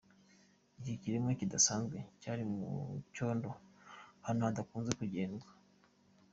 Iki kiremwa kidasanzwe cyari mu cyondo ahantu hadakunzwe kugerwa.